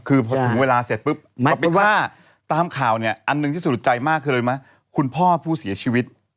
คือพอถึงเวลาเสร็จปุ๊บเอาเป็นว่าตามข่าวเนี่ยอันหนึ่งที่สะดุดใจมากคืออะไรไหมคุณพ่อผู้เสียชีวิต